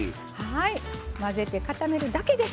混ぜて固めるだけです。